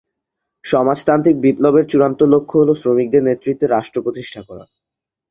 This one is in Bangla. সমাজতান্ত্রিক বিপ্লবের চূড়ান্ত লক্ষ্য হলো শ্রমিকদের নেতৃত্বে রাষ্ট্র প্রতিষ্ঠা করা।